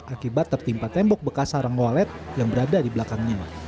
akibat tertimpa tembok bekas sarang walet yang berada di belakangnya